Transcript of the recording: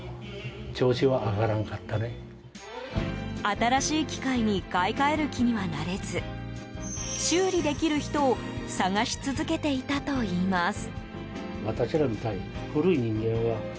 新しい機械に買い替える気にはなれず修理できる人を探し続けていたといいます。